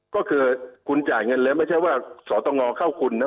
ก็คือคุณจ่ายเงินแล้วไม่ใช่ว่าสตงเข้าคุณนะ